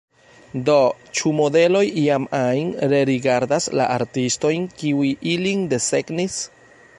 Do, ĉu modeloj iam ajn rerigardas la artistojn, kiuj ilin desegnis?